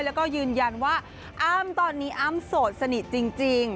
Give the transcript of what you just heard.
แล้วก็ยืนยันว่าอ้ำตอนนี้อ้ำโสดสนิทจริง